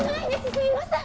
すみません。